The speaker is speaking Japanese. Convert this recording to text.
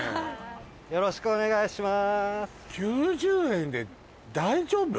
よろしくお願いします